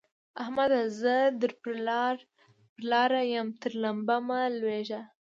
احمده! زه در پر لاره يم؛ تر لمبه مه لوېږه.